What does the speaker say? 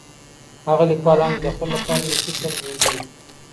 هغه ليکوالان چي د خلګو لپاره ليکي تل ژوندي وي.